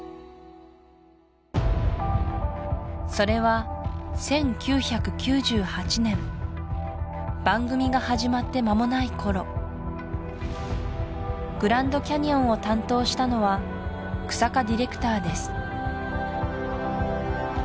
それは１９９８年番組が始まってまもないころグランドキャニオンを担当したのは日下ディレクターです